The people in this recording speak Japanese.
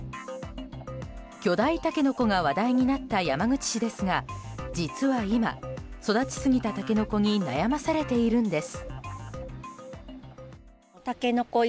巨大タケノコが話題になった山口市ですが実は今、育ち過ぎたタケノコに悩まされているんです。